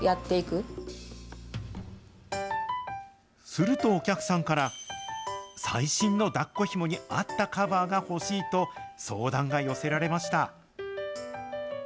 するとお客さんから、最新のだっこひもに合ったカバーが欲しいと、相談が寄せられました。